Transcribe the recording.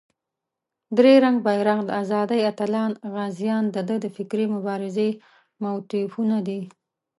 درې رنګه بېرغ، د آزادۍ اتلان، غازیان دده د فکري مبارزې موتیفونه دي.